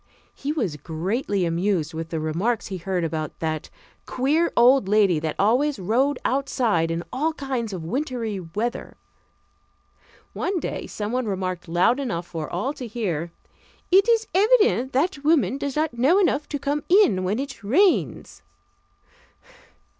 He was greatly amused with the remarks he heard about that "queer old lady that always rode outside in all kinds of wintry weather." One day someone remarked loud enough for all to hear: "It is evident that woman does not know enough to come in when it rains."